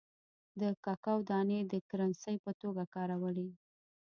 د ککو دانې د کرنسۍ په توګه کارولې.